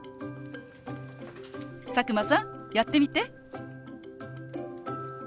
佐久間さんやってみて。